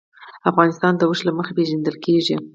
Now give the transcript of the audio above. افغانستان د اوښ له مخې پېژندل کېږي.